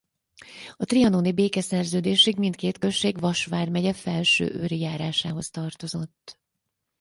A trianoni békeszerződésig mindkét község Vas vármegye Felsőőri járásához tartozott.